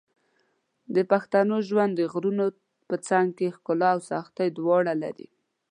د پښتنو ژوند د غرونو په څنګ کې ښکلا او سختۍ دواړه لري.